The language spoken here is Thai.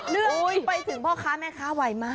เรื่องไปถึงพ่อค้าแม่ค้าวัยมาก